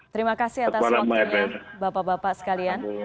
terima kasih atas waktunya bapak bapak sekalian